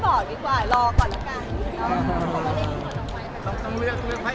วันนี้จะล้อมเป็นไฟล์ทไหมพี่